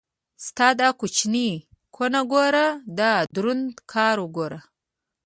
ستا دا کوچنۍ کونه ګوره دا دروند کار وګوره.